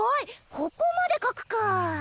ここまで描くか。